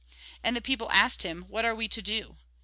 And the people asked him :" What are we to do